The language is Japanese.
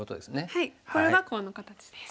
はいこれはコウの形です。